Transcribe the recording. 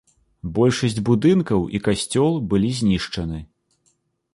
Большасць будынкаў і касцёл былі знішчаны.